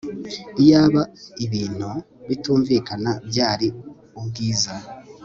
Iyaba ibintu bitumvikana byari ubwiza